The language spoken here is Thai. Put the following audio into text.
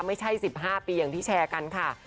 ไม่ใช่๑๕ปีอย่างที่แชร์กันค่ะ